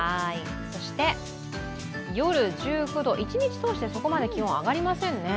そして夜１９度、一日通してそこまで気温、上がりませんね。